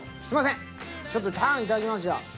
すいませんちょっとタンいただきます。